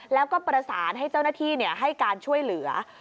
แล้วก็ประสานให้เจ้าหน้าที่ให้การช่วยเหลือ